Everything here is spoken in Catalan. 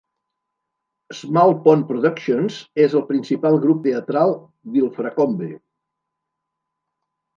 Small Pond Productions és el principal grup teatral d'Ilfracombe.